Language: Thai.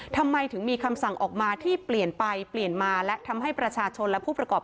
ทำไมถึงมีคำสั่งออกมาที่เปลี่ยนไปเปลี่ยนมาและทำให้ประชาชนและผู้ประกอบ